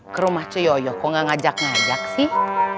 ke rumah ceyoyo kok gak ngajak ngajak sih